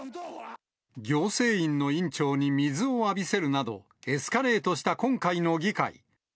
行政院の院長に水を浴びせるなど、エスカレートした今回の議会。